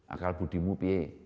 akal budimu b